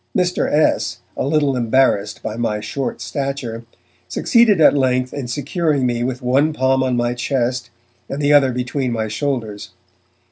Mr. S., a little embarrassed by my short stature, succeeded at length in securing me with one palm on my chest and the other between my shoulders.